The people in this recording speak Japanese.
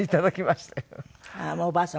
もうおばあ様